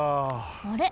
あれ？